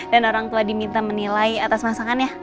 dan orang tua diminta menilai atas masakannya